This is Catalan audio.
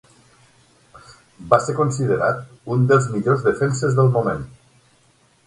Va ser considerat un dels millors defenses del moment.